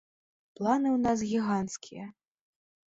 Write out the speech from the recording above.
Планы ў нас гіганцкія.